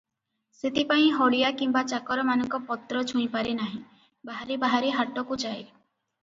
ସେଥିପାଇଁ ହଳିଆ କିମ୍ବା ଚାକରମାନଙ୍କ ପତ୍ର ଛୁଇଁପାରେ ନାହିଁ, ବାହାରେ ବାହାରେ ହାଟକୁଯାଏ ।